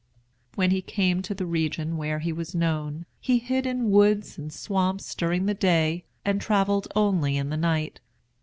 When he came to the region where he was known, he hid in woods and swamps during the day, and travelled only in the night.